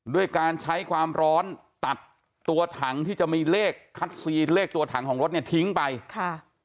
ด้วยการใช้ความร้อนตัดตัวถังที่จะมีเลขคัดซีนเลขตัวถังของรถเนี่ยทิ้งไปค่ะ